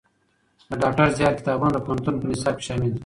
د ډاکټر زیار کتابونه د پوهنتون په نصاب کي شامل دي.